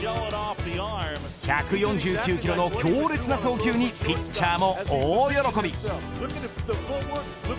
１４９キロの強烈な送球にピッチャーも大喜び。